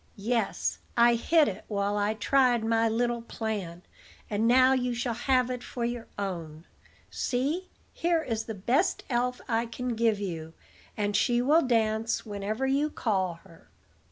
"Yes: I hid it while I tried my little plan, and now you shall have it for your own. See, here is the best elf I can give you, and she will dance whenever you call her."